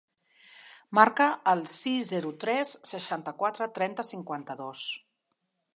Marca el sis, zero, tres, seixanta-quatre, trenta, cinquanta-dos.